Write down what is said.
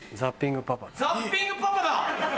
ザッピングパパだ。